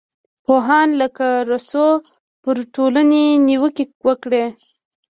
پوهان لکه روسو پر ټولنې نیوکې وکړې.